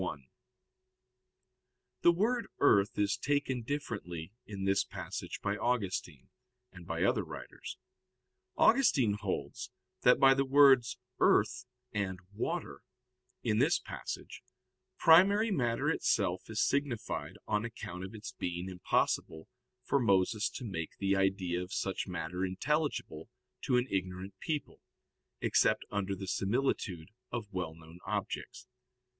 1: The word earth is taken differently in this passage by Augustine, and by other writers. Augustine holds that by the words "earth" and "water," in this passage, primary matter itself is signified on account of its being impossible for Moses to make the idea of such matter intelligible to an ignorant people, except under the similitude of well known objects.